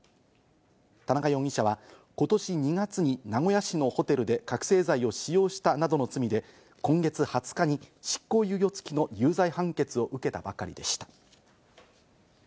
田中容疑者は今年２月に名古屋市のホテルで覚醒剤を使用したなどの罪で今月２０日に施行猶予付きの有罪判決を受けたばかりでした。